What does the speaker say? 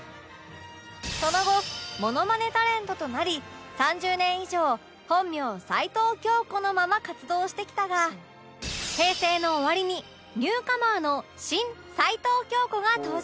その後モノマネタレントとなり３０年以上本名齊藤京子のまま活動してきたが平成の終わりにニューカマーの新齊藤京子が登場